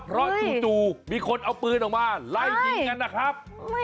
เพราะจู่มีคนเอาปืนออกมาไล่ยิงกันนะครับ